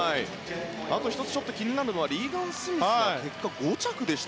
あと１つ、気になるのがリーガン・スミスが結果、５着でした。